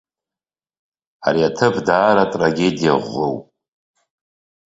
Ари аҭыԥ даара трагедиа ӷәӷәоуп.